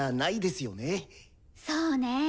そうね。